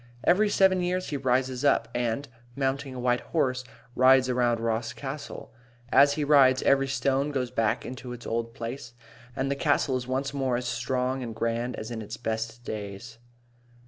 Every seven years he rises up, and, mounting a white horse, rides around Ross Castle. And as he rides every stone goes back into its old place, and the castle is once more as strong and grand as in its best days.